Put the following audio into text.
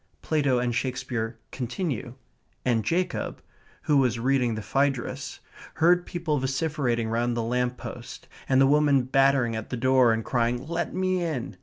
Plato and Shakespeare continue; and Jacob, who was reading the Phaedrus, heard people vociferating round the lamp post, and the woman battering at the door and crying, "Let me in!"